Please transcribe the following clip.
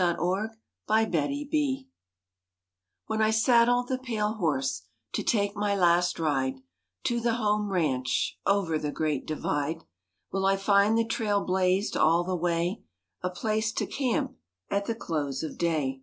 *THE PALE HORSE* When I saddle the pale horse, to take my last ride, To the home ranch, over the Great Divide, Will I find the trail blazed all the way, A place to camp, at the close of day?